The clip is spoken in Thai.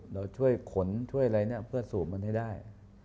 เราช่วยขนช่วยอะไรเนี่ยเพื่อสูบมันให้ได้